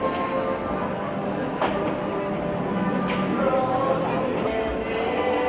ขอบคุณทุกคนมากครับที่ทุกคนรัก